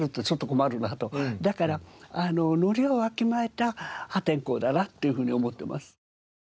だからノリをわきまえた破天荒だなっていうふうに思ってます。